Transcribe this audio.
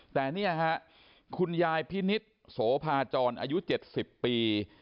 แต่เนี่ยฮะคุณยายพินิษฐ์โสภาจรอายุ๗๐ปี